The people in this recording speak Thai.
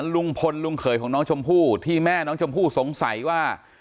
ลุงพลลุงเขยของน้องชมพู่ที่แม่น้องชมพู่สงสัยว่า